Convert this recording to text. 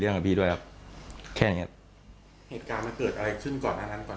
เรื่องกับพี่ด้วยครับเหตุการณ์มันเกิดอะไรขึ้นก่อนนั้นก่อน